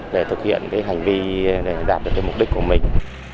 để thực hiện hành vi đạt được mục đích của mình